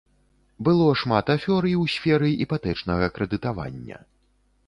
Было шмат афёр і ў сферы іпатэчнага крэдытавання.